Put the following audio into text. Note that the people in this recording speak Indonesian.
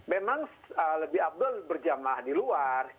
memang lebih abdul berjamaah di luar